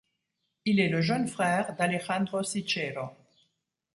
Il est le jeune frère d'Alejandro Cichero.